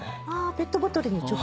ペットボトルに直接？